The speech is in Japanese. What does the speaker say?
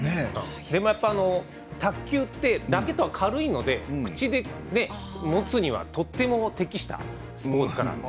卓球ってラケットが軽いので口で持つにはとっても適したスポーツかなと。